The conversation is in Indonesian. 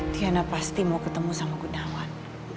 diana pasti mau ketemu sama gunawan